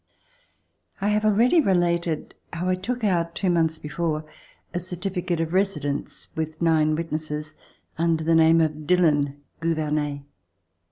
I HAVE already related how T took out, two months before, a certificate of residence with nine witnesses under the name of Dillon Gou vernet.